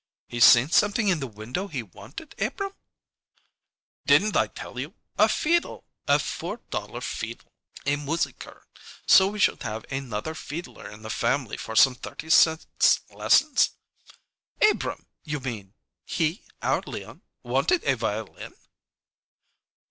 "He seen something in the window he wanted, Abrahm?" "Didn't I tell you? A feedle! A four dollar feedle! A moosicer, so we should have another feedler in the family for some thirty cents lessons." "Abrahm you mean he our Leon wanted a violin?"